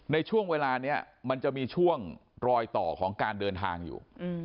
ในช่วงเวลานี้มันจะมีช่วงรอยต่อของการเดินทางอยู่